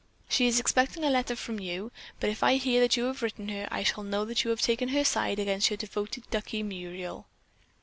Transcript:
She is expecting a letter from you, but if I hear that you have written her I shall know that you have taken her side against your devoted Duckie Muriel."